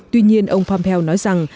tuy nhiên ông pompeo nói rằng